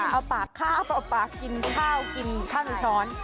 เอาปากข้าวเอาปากกินข้าวกินข้าวในช้อน